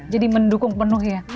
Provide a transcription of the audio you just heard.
jadi mendukung penuh ya